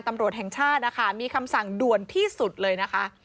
ตำรวจแห่งชาตินะคะมีคำสั่งด่วนที่สุดเลยนะคะ